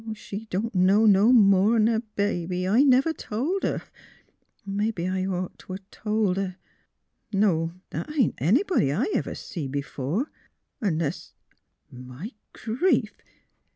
... She don' know no more'n a baby — I never told her; mebbe I'd ought t' 'a' told her. .. .No; that ain't anybody I ever see b'fore, unless My grief!